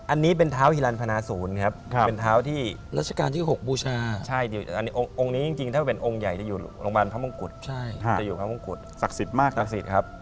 อันนี้เป็นเท้าฮิลัณพนาศูนย์ครับ